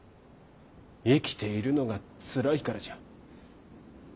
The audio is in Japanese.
生きているのがつらいからじゃ。